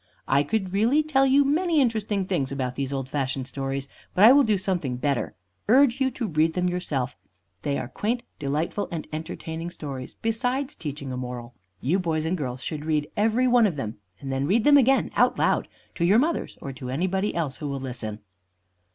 I could really tell you many interesting things about these old fashioned stories but I will do something better urge you to read them yourself. They are quaint, delightful, and entertaining stories, besides teaching a moral. You boys and girls should read every one of them, and then read them again, out loud, to your mothers or to anybody else who will listen.